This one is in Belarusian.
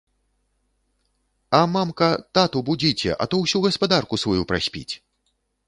А, мамка, тату будзіце, а то ўсю гаспадарку сваю праспіць.